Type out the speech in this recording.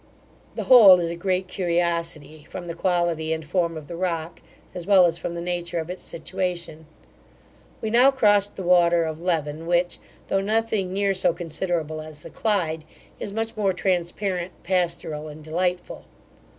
The whole is a great curiosity, from the quality and form of the rock, as well as from the nature of its situation We now crossed the water of Leven, which, though nothing near so considerable as the Clyde, is much more transparent, pastoral, and delightful.